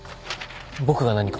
僕が何か。